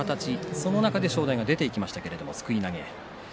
その中で正代が出ていきましたけれども、すくい投げ。